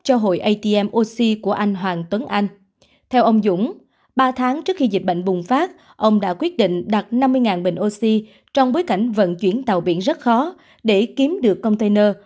ông dũng đã đặt năm mươi bệnh oxy trong bối cảnh vận chuyển tàu biển rất khó để kiếm được container